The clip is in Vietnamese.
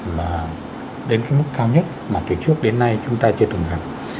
mà đến cái mức cao nhất mà từ trước đến nay chúng ta chưa từng gặp